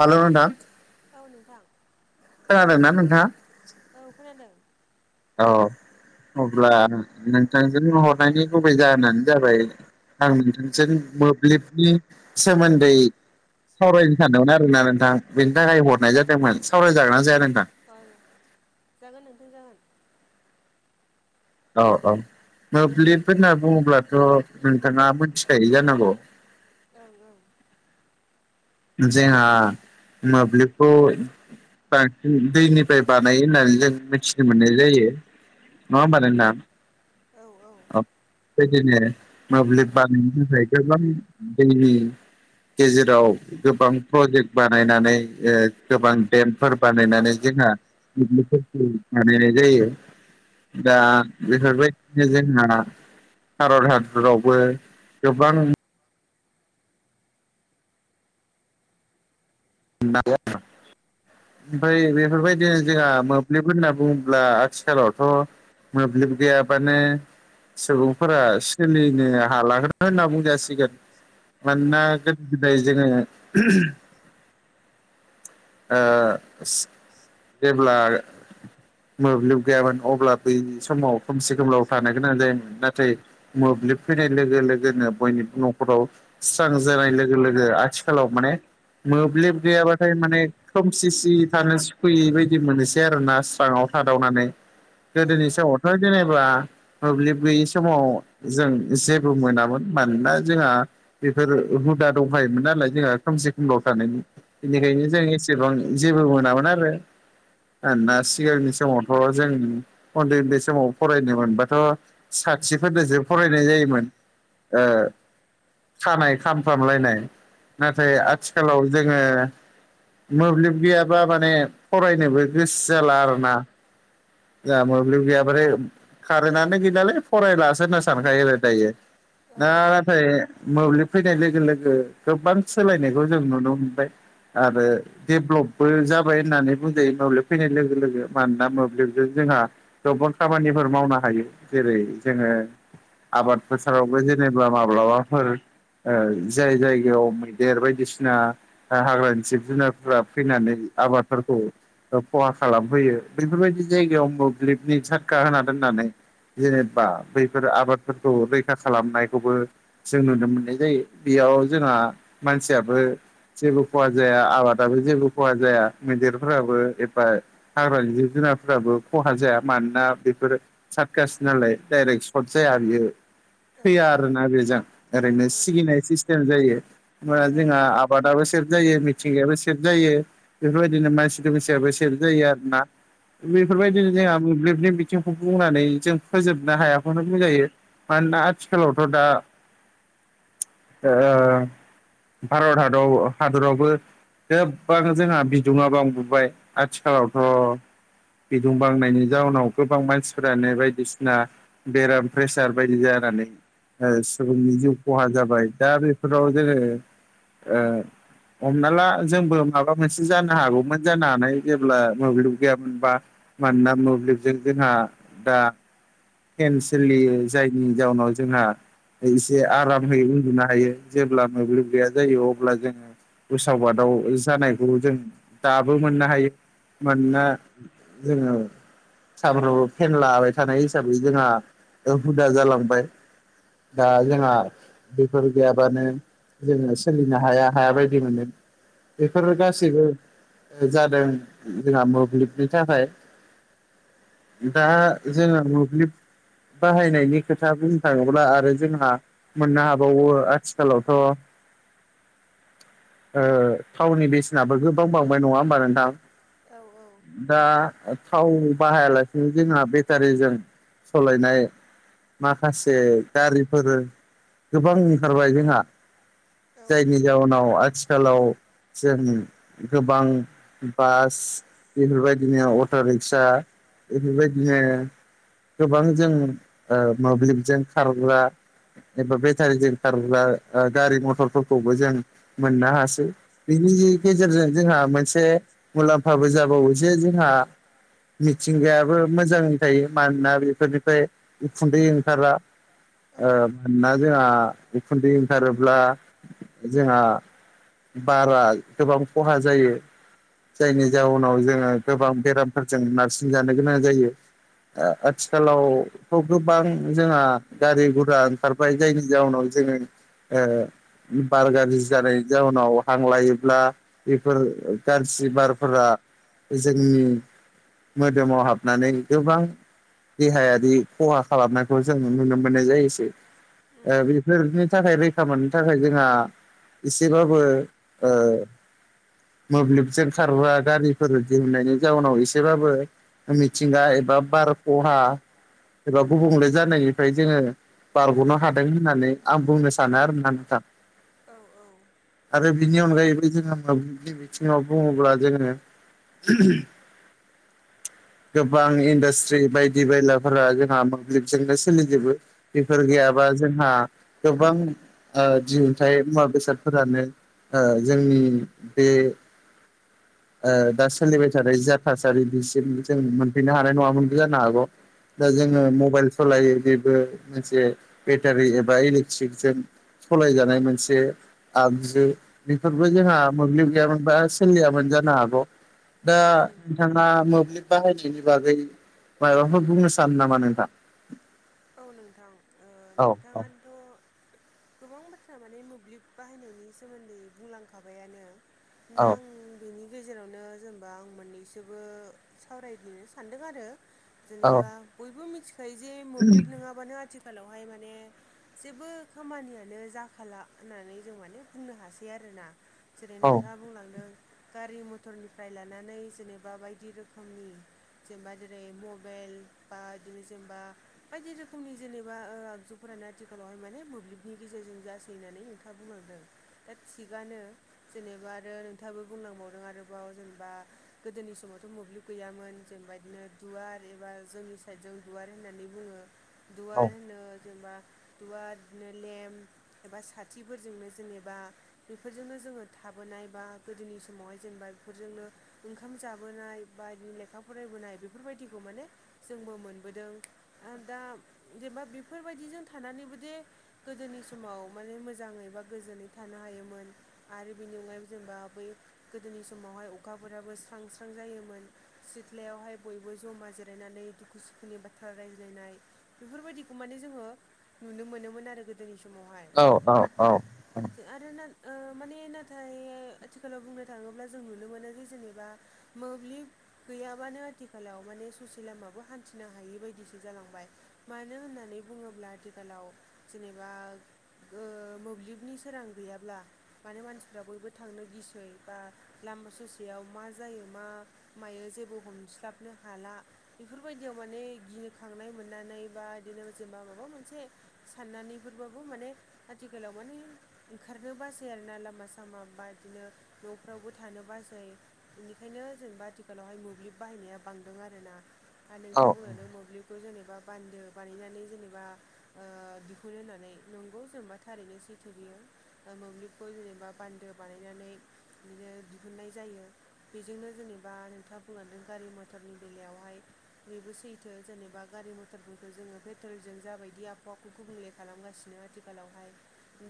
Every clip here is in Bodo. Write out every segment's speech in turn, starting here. हालौ नोंथां। थौ नोंथां। खोनादोंना नोंथाङा? औ खोनादों। औ अब्ला नोंथांजों हरनायनि गुबै जाहोनानो जाबाय आं नोंथांजों मोब्लिबनि सोमोन्दै सावरायनो सानदोंमोन आरोना नोंथां बेनि थाखाय हरनाय जादोंमोन सावरायजागोनना जाया नोंथां? फार जागोन नोंथां जागोन। अ अ मोब्लिब होनना बुङोब्लाथ' नोंथाङा मोनथिखायो जानांगौ? ओं ओं जोंहा मोब्लिबखौ। बांसिन दैनिफ्राय बानायो होननानै जों मिथिनो मोननाय जायो। नङा होनबा ओं नोंथां। औ बेदिनो मोब्लिब बानायनो थाखाय गोबां दैनि गेजेराव गोबां प्रजेक्ट बानायनानै ओ गोबां देमफोर बानायनानै जोंहा मोब्लिबफोरखौ बानायनाय जायो दा बेफोरबायदि दे जोंहा भारत हादरावबो गोबां [unintelligible] ओमफ्राय बेफोरबायदिनो जोंहा मोब्लिबफोर होनना बुङोब्ला आथिखालावथ' मोब्लिब गैयाबानो सुबुंफोरा सोलिनो हालाखोनो होनना बुंजासिगोन। औ मानोना औ गोदो गोदाय जोङो ओ सि जेब्ला मोब्लिब गैयामोन अब्ला, बै समाव खोमसि खोमलाव थानो गोनां जायोमोन नाथाय मोब्लिब, फैनाय लोगो लोगोनो बयनिबो न'खराव स्रां जानाय लोगो लोगो, आथिखालाव माने मोब्लिब गैयाबाथाय माने खोमसि सि थानो सुखुयै बायदि मोनसै आरोना, स्राङाव थादावनानै। औ गोदोनि समावथ' जेनेबा मोब्लिब गैयि समाव, जों जेबो मोनामोन मानोना जोंहा बेफोर, हुदा दंखायोमोन नालाय जोंहा खोमसि खोमलाव थानायनि बेनिखायनो जों एसे सेबां जेबो मोनामोन आरो। आरोना सिगांनि समावथ' जों उन्दै उन्दै समाव फरायनो मोनबाथ' साथिफोरनोसो फरायनाय जायोमोन ओ उम उम खानाय खामफ्रामलायनाय नाथाय औ आथिखालाव जोङो मोब्लिब गैयाबा, माने फरायनोबो गोसो' जाला आरो ना। जोंहा मोब्लिब गैया बाथाय कारेन्टानो, गैलालै फरायलासो होनना सानखायो आरो दायो औ ना नाथाय मोब्लिब फैनाय लोगो गोबां सोलायनायखौ जों नुनो मोनबाय आरो डेभलपबो जाबाय होननानै बुंजायो। मोब्लिब फैनाय लोगो लोगो मानोना मोब्लिबजों जोंहा गोबां खामानिफोर मावनो हायो जेरै जोङो आबाद फोथारावबो जेनेबा माब्लाबाफोर ओ जाय जायगायाव मैदेर बायदिसिना हाग्रानि जिब जुनार फ्रा फैनानै आबादफोरखौ ओ खहा खालामफैयो बेफोरबायदि जायगायाव मोब्लिबनि सारखा होना दोननानै जेनेबा बैफोर आबादफोरखौ रैखा खालामनायखौबो जों नुनो मोननाय जायो। बेयाव' जोंहा मानसियाबो जेबो खहा जाया आबाद। दाबो जेबो खहा जाया' मैदेरफोराबो एबा। हाग्रानि जिब जुनारफोराबो खहा जाया, मानोना बेफोरो। सारगास नालाय दडाइरेक्ट सर्ट जाया बियो। औ थैया आरोना बेजों ओरैनो सिगिनाय सिस्टेम जायो मा जोंहा। आबादाबो सेब जायो मिथिंगायाबो। सेब जायो, बेफोरबादिनो मानसि दोमसिआबो सेब जायो आरोना बेफोरबायदिनो ओं जोंहा। मोब्लिबनि बिथिंखौ बुंनानै जों फोजोबनो हायाखौनो बुंजायो। मानोना आथिखालावथ' दा। ओ भारत हादर हादरावबो। गोबां जोंहा, बिदुङाबांं बांबोबाय आथिखालावथ'। बिदुं बांनायनि जाउनाव' गोबां मानसिफ्रानो बायदिसिना। बेराम प्रेसार बायदि जानानै सुबुंनि जिउ खहा जाबाय दा बेफोराव जोङो ओ हमना ला जोंबो माबा मोनसे जानो हागौमोन जानो हानाय जेब्ला मोब्लिब गैयामोनबा मानोना मोब्लिबजों जोंहा दा [unintelligible] सोलियो जायनि जाउनाव जोंहा एसे आरामै उन्दुनो हायो जेब्ला मोब्लिब गैया जायो अब्ला जोङो उसाव बाद दाव जानायखौ जों दाबो मोननो हायो मोना जोङो सामफ्रामबो फेन लाबाय थानाय हिसाबै जोंहा हुदा जालांबाय दा जोंहा बेफोर गैयाबानो जोङो सोलिनो हाया हाया बायदि मोनो बेफोरो गासैबो जादों जोंहा मोब्लिबनि थाखाय दा जोङो मोब्लिब बाहायनायनि खोथा बुंनो थाङोब्ला आरो जोंहा मोननो हाबावो आथिखालावथ' ओ थावनि बेसेनाबो गोबां बांबाय नङा होमबा नोंथां औ औ दा थाव बाहायालासिनो जोंहा बेटारिजों सालायनाय माखासे गारिफोरबो गोबां ओंखारबाय जोंहा औ औ जायनि जाउोनाव आथिखालाव जों गोबां बास बेफोरबायदिनो अट' रिक्सा बेफोरबायदिनो गोबां जों ओ मोब्लिबजों खारग्रा एबा बेटारिजों खारोब्ला गारि मथरफोरखौबो जों मोननो हायो बिनि गेजेरजों जोंहा मोनसे मुलाम्फाबो जाबावो जे जोंहा मिथिंगायाबो मोजां थायो मानोना बेफोरनिफ्राय उखुन्दै ओंखारा ओ औ मानोना जोंहा ओंखारोब्ला जोंहा बारा गोबां खहा जायो जायनि जाउनाव जोङो गोबां बेरामफोरजों नारसिन जानो गोनां जायो आआथिखालाव खौ गोबां जोंहा गारि गुरा ओंखारबाय जायनि जाहउनाव जोङो ओ उम बार गाज्रि जानाय जाव उनाव हांलायोब्ला बेफोर गाज्रि बारफोरा जोंनि मोदोमाव हाबनानै गोबां देहायारि खहा खालामनायखौ जों नुनो मोननाय जायो। ओ ओ बेफोरनि थाखाय रैखा मोननो थाखाय जोंहा एसेबाब बो ओ मोब्लिबजों खारग्रा गारिफोर दिहुननायनि जाउनाव एसेबाबो मिथिंगा एबा बार खहा एबा गुबुंले जानायनिफ्राय जोङो बारग'नो हादों होननानै आं बुंनो सानो आरो ना नोंथां औ औ आरो बिनि अनगायैबो जोंयो मोब्लिबनि बिथिङाव बुङोब्ला जोङो [unintelligible] गोबां इन्डास्ट्रि बायदि बायलाफोरा जोंहा मोब्लिबजोंनो सोलिजोबो बेफोर औ गैयाबा जोंहा गोबां ओ दिहुनथाय मुवा बेसाद फोरानो ओ जोंनि बे ओ औ दा सोलिबाय थानाय जा थासारि बिसिम जों मोनफैनो हानाय नङामोनबो जानो हागौ दा औ जोङो मबाइल सालायो बेबो मोनसे बेटारि एबा इलेक्ट्रिकजों सलायजानाय मोनसे आगजु बेफोरबो जोंहा मोब्लिब गैयामोन बा सोलियामोन जानो हागौ। दा। उम उम नोंथाङा मोब्लिब बाहायनायनि बागै माबाफोर बुंनो सानो नामा नोंथां? औ नोंथां ओह औ औ नोंथाङानोथ। गोबां बाथ्रा माने मोब्लिब बाहायनायनि सोमोन्दै बुंलांखाबायानो दा औ आं। बिनि गेजेरावनो जेनेबा आं मोननैसोबो सावरायफिननो सानदों आरो। जेनेबा बयबो मिथिखायो जे मोब्लिब नङाबानो आथिखालावहाय माने। जेबो खामानियानो जाखाला होननानै जों माने बुंनो हासै आरोना। जेरै औ नोंथाङा बुंलांदों गारि मथरनिफ्राय लानानै जेनेबा बायदि रोखोमनि। जेनेबा जेरै मबाइल बा बिदिनो जेनेबा। बायदि रोखोमनि जेनेबा ओ आगजुफोरानो आथिखालावहाय माने मोब्लिबनि गेजेरजों जासै होननानै नोंथाङा बुंलांदों। दा थिगानो जेनेबा आरो नोंथाङाबो बुंलांबावदों आरोबाव जेनेबा। गोदोनि समावथ' मोब्लिब गैयामोन जेनेबा बिदिनो दुवार एबा जोंनि साइद ज दुवार होननानै। बुङो औ दुवार होनो जेनेबा। दुवार बिदिनो लेम्प एबा साथिफोरजोंनो जेनेबा। बेफोरजोंनो जोङो थाबोनाय बा गोदोनि समावहाय जेनेबा बेफोरजोंनो। ओंखाम जाबोनाय बा बिदिनो लेखा फरायबोनाय बेफोरबायदिखौ माने जोंबो मोनबोदों। दा जेनेबा बेफोरबायदिजों थानानैबो दे। गोदोनि समाव माने मोजाङै बा गोजोनै थानो हायोमोन। आरो बिनि अनगायैबो जेनेबा बै गोदोनि समावहाय अखाफोराबो स्रां स्रां जायोमोन। सिथ्लायावहाय बयबो ज'मा जिरायनानै दुखु सुखुनि बाथ्रा रा बेलायनाय बेफोरबायदिखौ माने जोङो नुनो मोनोमोन आरो गोदोनि समावहाय। औ औ औ। आरो नान ओ माने नाथाय आथिखालाव बुंनो थाङोब्ला जों नुनो मोनो जे जेनेबा। मोब्लिब गैयाबानो आथिखालाव माने ससे लामाबो हान्थिनो हायि बायदिसो। जालांबाय मानो होननानै बुङोब्ला आथिखालाव जेनेबा। गो मोब्लिबनि सोरां गैयाब्ला। माने मानसिफ्रा बयबो थांनो गिसै बा लामा ससेयाव मा जायो मा। मायो जेबो हमस्लाबनो हाला बेफोरबायदियाव माने गियो। बो खांनाय मोननानै बा बिदिनो जेनेबा माबा मोनसे। साननानैफोरबाबो माने आथिखालाव माने। ओंखारनो बासै आरोना लामा सामा बा बिदिनो न'फ्रावबो थानो बासै। बेनिखायनो जेनेबा आथिखालावहाय मोब्लिब बाहायनाया बांदों आरो ना आरो नोंथाङा बुंलांदों मोब्लिब। बेखौ जेनेबा बान्दो बानायनानै जेनेबा। दिहुुन होननानै नंगौ जेनबा थारैनो सैथो बियो। मोब्लिबखौ जेनेबा बान्दो बानायनानै बिदिनो दिहुननाय जायो। बेजोंनो जेनेबा नोंथाङा बुंलांदों गारि मथरनि बेलायावहाय बयबो सैथो जेनेबा। बा गारि मथरफोरखौ जोङो पेट्रलजों जाबायदि आबहावाखौ गुबुंले खालामगासिनो आथिखालावहाय।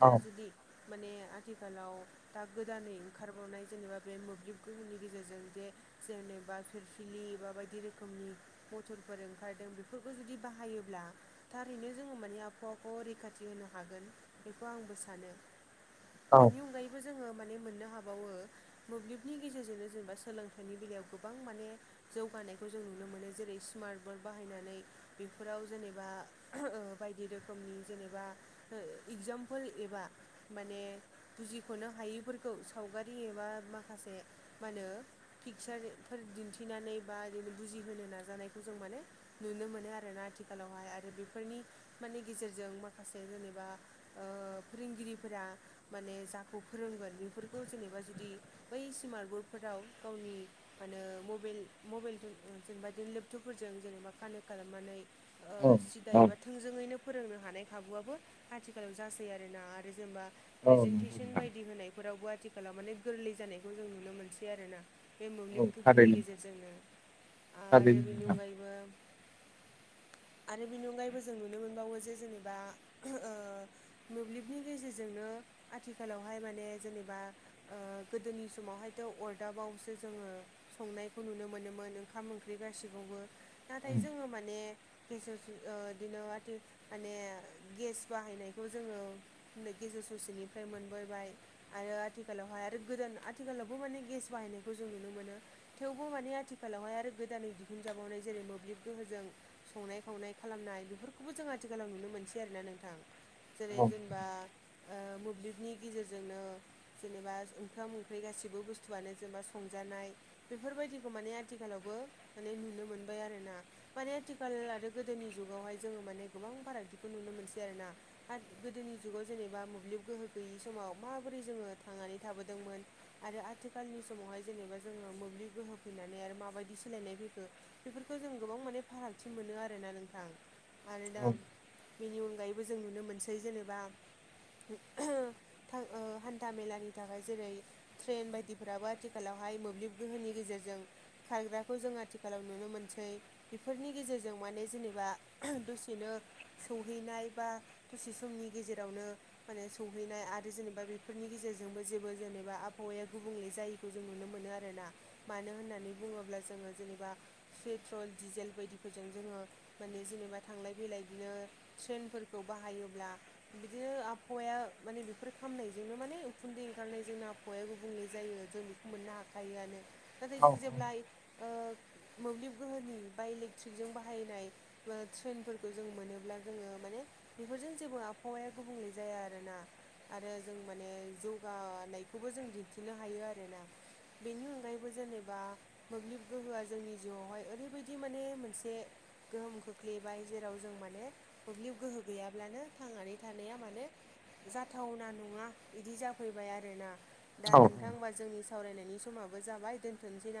दा जुदि माने आथिखालाव। दा गोदानै ओंखारबावनाय जेनेबा बे मोब्लिब गोहोनि गेजेरजों जे। जेनेबा फिरफिलि बा बायदि रोखोमनि मथरफोर। ओंखारदों बेफोरखौ जुदि बाहायोब्ला। थारैनो जोङो माने आबहावाखौ रैखाथि होनो हागोन बेखौ आंबो सानो। औ बिनि अनगायैबो जोङो माने मोननो हाबावो। मोब्लिबनि गेजेरजोंनो जेनेबा सोलोंथाइनि बेलायाव गोबां माने। जौगानायखौ जों नुनो मोनो जेरै स्मार्ट बरड बाहायनानै। बेफोराव जेनेबा बायदि रोखोमनि जेनेबा। एगजामपोल एबा। माने बुजिख'नो हायैफोरखौ सावगारि एबा माखासे मा होनो। पिकचार फोर दिन्थिनानै बा ओरैनो बुजिहोनो नाजानायखौ जों माने नुनो मोनो आरो ना आथिखालावहाय आरो बेफोरनि। माने गेजेरजों माखासे जेनेबा ओ फोरोंगिरिफोरा माने जाखौ फोरोंगोन बेफोरखौ जेनेबा जुदि बै स्मार्ट बरडफोराव गावनि मानो मबेइल मबेइलदों ओ जेनेबा दैलोब थुफोरजों जेनेबा कानेक्ट खालामनानै ओ सिदायोबा नंगौ थोंजोङैनो फोरोंनो हानाय खाबुआबो आथिखालाव जासै आरोना आरो जेनेबा प्रेजेन्टेसन नोंथां बायदि होनायफोरावबो आथिखालाव माने गोरलै जानायखौ जों नुनो मोनसै आरो ना। बे औ मोब्लिब गोहोनि थारैनो गेजेरजोंनो आरो थारैनो बेनि नोंथां। अनगायैबो आरो बेनि अनगायैबो जों नुनो मोनबावो जे जेनेबा ओ मोब्लिबनि गेजेरजोंनो आथिखालावहाय माने जेनेबा ओ गोदोनि समावहायथ' अरदाबावसो जोङो। संनायखौ नुनो मोनोमोन ओंखाम ओंख्रि गासिखौबो नाथाय जोङो माने गेजेरजो ओ दिनो आथि माने गेस बाहायनायखौ जोङो नो गेजेर ससेनिफ्राय मोनबोबाय आरो आथिखालावहाय आरो गोदान आथिखालावबो माने गेस बाहायनायखौ जों नुनो मोनो। थेवबो माने आथिखालावहाय आरो गोदानै दिहुनजाबावनाय जेरै' मोब्लिब गोहोजों। संनाय खावनाय खालामनाय बेफोरखौबो जों आथिखालाव नुनो मोनसै आरो ना नोंथां। औ जेरै' जेनेबा ओ मोब्लिबनि गेजेरजोंनो। जेनेबा ओंखाम ओंख्रि गासिबो बुस्थुआनो जेनेबा संजानाय बेफोरबायदिखौ माने आथिखालावबो माने नुनो मोनबाय आरो ना। माने आथिखाल आरो गोदोनि जुगावहाय जोङो माने गोबां फारागथिखौ नुनो मोनसै आरो ना। आद गोदोनि जुगाव जेनेबा मोब्लिब गोहो गैयि समाव माबोरै जोङो थांनानै थाबोदोंमोन। आरो आथिखालनि समावहाय जेनेबा जोङो मोब्लिब गोहो फैनानै आरो माबायदि सोलायनाय फै खो बेफोरखौ जों गोबां माने फारागथि मोनो आरो ना नोंथां। आरो औ दाम बेनि अनगायैबो जों नुनो मोनसै जेनेबा था हान्था मेलानि थाखाय जेरै ट्रेन बायदिफोराबो आथिखालावहाय मोब्लिब गोहोनि गेजेरजों खारग्राखौ जों आथि खालाव नुनो मोनसै बेफोरनि गेजेरजों माने जेनेबा दसेनो सौहैनाय बा दसे समनि गेजेरावनो माने सौहैनाय आरो जेनेबा बेफोरनि गेजेरजोंबो जेबो जेनेबा आबहावाया गुबुंले जाय खौ जों नुनो मोनो आरो ना मानो होननानै बुङोब्ला जोङो जेनेबा पेट्रल डिजेल बायदिफोरजों जोङो माने जेनेबा थांलाय फैलाय दिनो ट्रेनफोरखौ बाहायोब्ला बिदिनो आबहावाया माने बेफोर खामनायजोंनो माने उखुन्दै ओंखारनायजोंनो आब फ'या गुबुंले जायो जों बेखौ मोननो हाखायोआनो नाथाय जों जेब्लाय ओ मोब्लिब गोहोनि बाय इलेक्ट्रिकजों बाहायनाय बा ट्रेनफोरखौ जों मोनोब्ला जोङो माने बेफोरजों जेबो आबहावाया गुबुंले जाया आरो ना। आरो जों माने जौगा नायखौबो जों दिन्थिनो हायो आरो ना बेनि अनगायैबो जेनेबा मोब्लिब गोहोआ जोंनि जिउआवहाय ओरैबायदि माने मोनसे गोहोम खोख्लैबाय जेराव जों माने मोब्लिब गोहो गैयाब्लानो थांनानै थानाया माने जाथावना नङा इदि जाफैबाय आरो ना। दा औ औ नोंथां बा जोंनि सावरायनायनि समाबो जाबाय दोनथ'नोसै ना